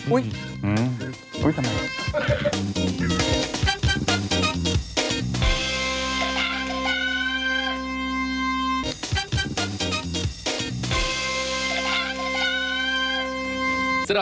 อุ๊ยทำไม